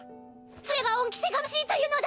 それが恩着せがましいというのだ！